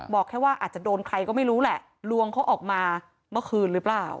บอกแค่ว่าอาจจะโดนใครก็ไม่รู้แหละลวงเขาออกมาเมื่อคืนหรือเปล่า